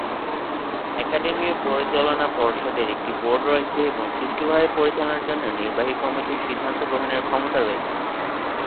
একাডেমির পরিচালনা পর্ষদের একটি বোর্ড রয়েছে এবং সুষ্ঠুভাবে পরিচালনার জন্য নির্বাহী কমিটির সিদ্ধান্ত গ্রহণের ক্ষমতা রয়েছে।